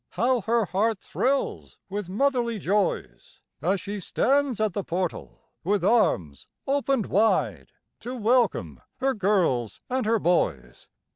How her heart thrills with motherly joys, As she stands at the portal, with arms opened wide, To welcome her girls and her boys.